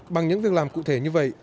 bằng những việc làm cụ thể như vậy